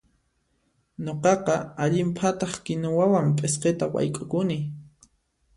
Nuqaqa allin phataq kinuwawan p'isqita wayk'ukuni.